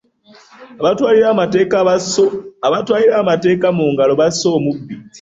Abatwalira amateeka mu ngalo basse omubbi.